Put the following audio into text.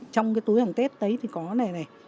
trong cái túi hàng tết đấy thì có này này